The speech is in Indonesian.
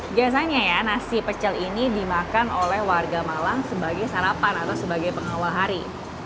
biasanya ya nasi pecel ini dimakan oleh warga malang sebagai sarapan atau sebagai pengawal hari